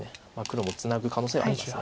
黒もツナぐ可能性はあります。